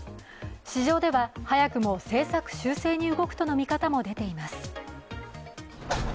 市場では早くも政策修正に動くとの見方も出ています。